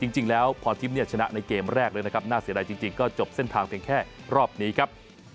จริงแล้วพรทิพย์เนี่ยชนะในเกมแรกเลยนะครับน่าเสียดายจริงก็จบเส้นทางเพียงแค่รอบนี้ครับ